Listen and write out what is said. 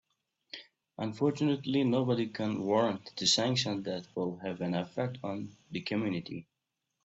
Unfortunately, nobody can warrant the sanctions that will have an effect on the community.